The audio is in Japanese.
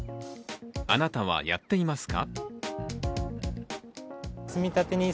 あなたは、やっていますか？